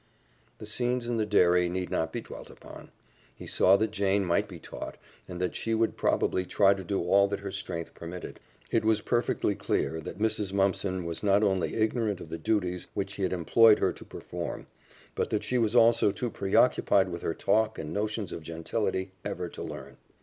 The scenes in the dairy need not be dwelt upon. He saw that Jane might be taught, and that she would probably try to do all that her strength permitted. It was perfectly clear that Mrs. Mumpson was not only ignorant of the duties which he had employed her to perform, but that she was also too preoccupied with her talk and notions of gentility ever to learn.